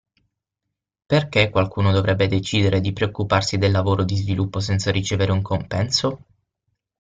Perché qualcuno dovrebbe decidere di preoccuparsi del lavoro di sviluppo senza ricevere un compenso?